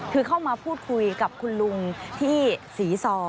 คือเข้ามาพูดคุยกับคุณลุงที่ศรีซอ